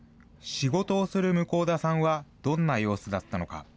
仕事をする向田さんはどんな様子だったのか。